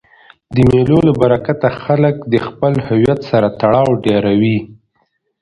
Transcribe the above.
د مېلو له برکته خلک د خپل هویت سره تړاو ډېروي.